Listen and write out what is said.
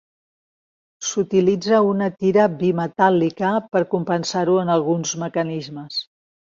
S'utilitza una tira bimetàl·lica per compensar-ho en alguns mecanismes.